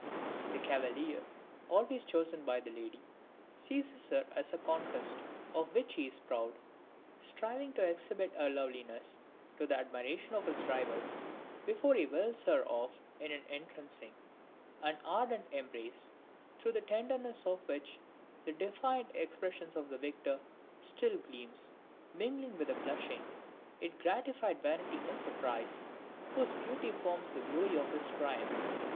The cavalier, always chosen by the lady, seizes her as a conquest of which he is proud, striving to exhibit her loveliness to the admiration of his rivals, before he whirls her off in an entrancing and ardent embrace, through the tenderness of which the defiant expression of the victor still gleams, mingling with the blushing yet gratified vanity of the prize, whose beauty forms the glory of his triumph.